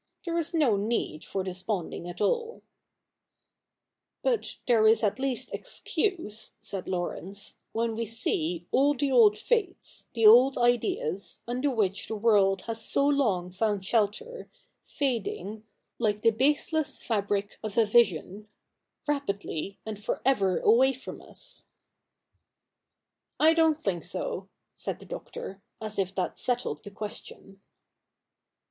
There is no need for desponding at all' ' But there is at least excuse,' said Laurence, ' when we see all the old faiths, the old ideas, under which the world has so long found shelter, fading Like the baseless fabric of a vision, rapidly and for ever away from us.' ' I don't think so,' said the Doctor, as if that settled the question.